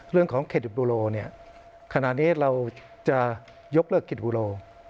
เรื่องของเครดิบุโรเนี่ยขณะนี้เราจะยกเลิกเครดิบุโร